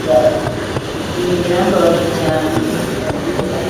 Ibi birambabaje cyane.